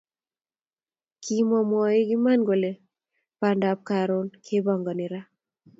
Kimwa mwoik iman kole bandap Karon kepangani ra